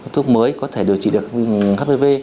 thuốc mới có thể điều trị được hpv